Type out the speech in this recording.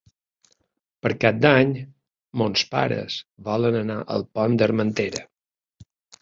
Per Cap d'Any mons pares volen anar al Pont d'Armentera.